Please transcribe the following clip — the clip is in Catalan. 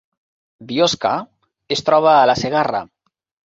Biosca es troba a la Segarra